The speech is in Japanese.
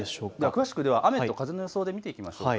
詳しく雨と風の予想で見ていきましょう。